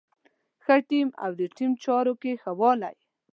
ښه ټيم او د ټيم چارو کې ښه والی.